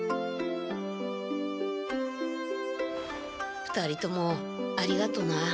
２人ともありがとな。